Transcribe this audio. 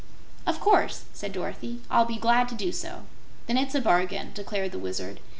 "Of course," said Dorothy; "I'll be glad to do so." "Then it's a bargain," declared the Wizard.